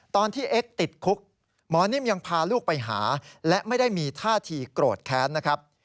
เอ็กซ์ติดคุกหมอนิ่มยังพาลูกไปหาและไม่ได้มีท่าทีโกรธแค้นนะครับ